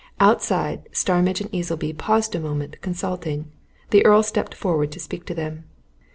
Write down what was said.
Outside, Starmidge and Easleby paused a moment, consulting; the Earl stepped forward to speak to them.